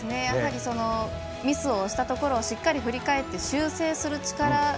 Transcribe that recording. やはりミスをしたところを振り返って修正する力